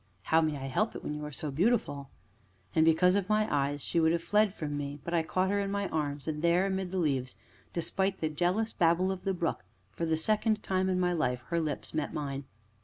"How may I help it when you are so beautiful?" And, because of my eyes, she would have fled from me, but I caught her in my arms, and there, amid the leaves, despite the jealous babble of the brook, for the second time in my life, her lips met mine.